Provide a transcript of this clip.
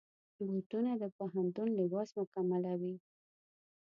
بوټونه د پوهنتون لباس مکملوي.